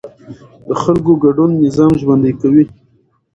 د خلکو ګډون نظام ژوندی کوي